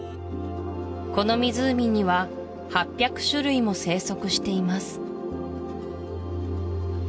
この湖には８００種類も生息しています